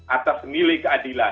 atas milih keadilan